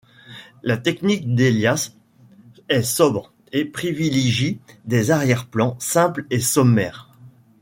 La technique d'Elias est sobre et privilégie des arrière-plan simples et sommaires.